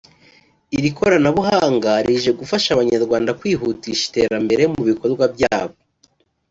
Iri koranabuhanga rije gufasha abanyarwanda kwihutisha iterambere mu bikorwa byabo